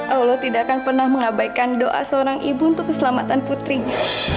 allah tidak akan pernah mengabaikan doa seorang ibu untuk keselamatan putrinya